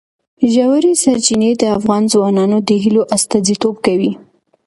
ژورې سرچینې د افغان ځوانانو د هیلو استازیتوب کوي.